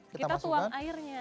kita tuang airnya